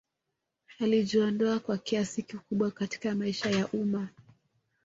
Alijiondoa kwa kiasi kikubwa katika maisha ya umma